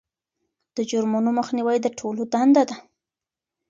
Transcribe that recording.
د جرمونو مخنیوی د ټولو دنده ده.